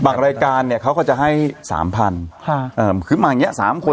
รายการเนี้ยเขาก็จะให้สามพันค่ะเอ่อคือมาอย่างเงี้สามคน